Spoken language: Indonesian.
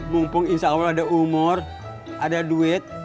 mumpung insya allah ada umur ada duit